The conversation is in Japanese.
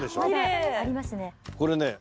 これね